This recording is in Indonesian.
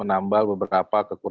untuk menambah beberapa keterbatasan